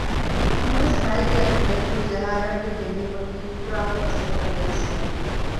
ނަމަވެސް މައެއްގެ އަތުން ދަރިފުޅު ޖަހައިގަނެގެން ގެންދިއުމަކީ ހީކުރާހާ ފަސޭހަ ކަމެއްވެސް ނޫން